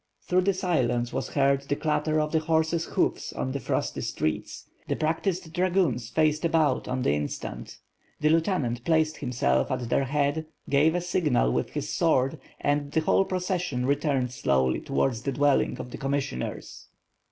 Through the silence was heard the clatter of the horses' hoofs on the frosty streets; the practised dragoons faced about on the instant; the lieutenant placed himself at their head, gave a signal with his sword and the whole procession returned slowly towards the dwelling of the commissioners.